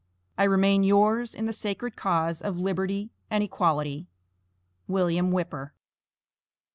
I remain yours in the sacred cause of liberty and equality, WM. WHIPPER.